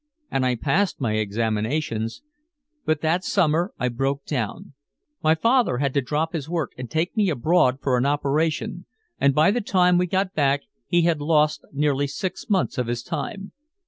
And I passed my examinations but that summer I broke down. My father had to drop his work and take me abroad for an operation, and by the time we got back he had lost nearly six months of his time.